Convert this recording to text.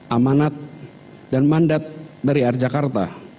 amanat dan mandat dari air jakarta